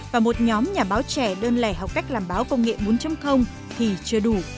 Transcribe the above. và một nhóm nhà báo trẻ đơn lẻ học cách làm báo công nghệ bốn thì chưa đủ